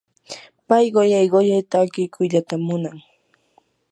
pay quyay quyay takikuyllatam munan.